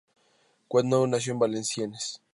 Watteau nació en Valenciennes.